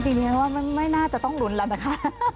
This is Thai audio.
ดิฉันว่ามันไม่น่าจะต้องลุ้นแล้วนะคะ